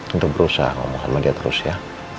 untuk berusaha ngomong dia terus ya